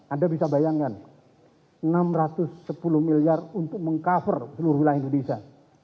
anda bisa bayangkan enam ratus sepuluh miliar untuk meng cover seluruh wilayah indonesia